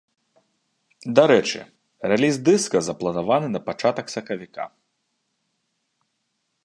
Дарэчы, рэліз дыска запланаваны на пачатак сакавіка.